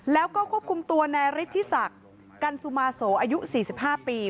แล้วก็ควบคุมตัวนายฤทธิศักดิ์กันสุมาโสอายุ๔๕ปี